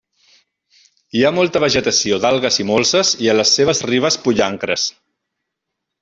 Hi ha molta vegetació d'algues i molses i a les seves ribes pollancres.